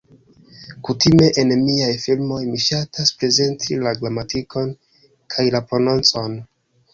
Kutime en miaj filmoj, mi ŝatas prezenti la gramatikon, kaj la prononcon.